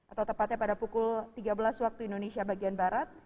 atau tepatnya pada pukul tiga belas waktu indonesia bagian barat